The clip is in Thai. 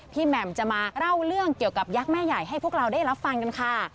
แหม่มจะมาเล่าเรื่องเกี่ยวกับยักษ์แม่ใหญ่ให้พวกเราได้รับฟังกันค่ะ